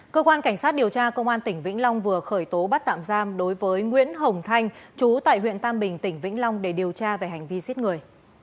cơ quan cảnh sát điều tra công an tỉnh vĩnh long vừa khởi tố bắt tạm giam đối với nguyễn hồng thanh chú tại huyện tam bình tỉnh vĩnh long để điều tra về hành vi giết người